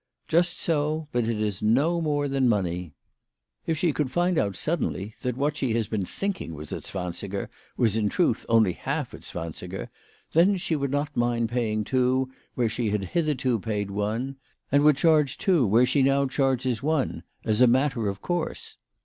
"Just so; but it is no more than money. If she could find out suddenly that what she has been think ing was a zwansiger was in truth only half a zwansiger, then she would not mind "paying two where she had hitherto paid one, and would charge two where she 64 WHY FRAU FROHMANN RAISED HER PRICES. now charges one, as a matter of course.